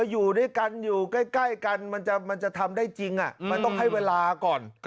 อยู่ด้วยกันอยู่ใกล้กันมันจะทำได้จริงมันต้องให้เวลาก่อน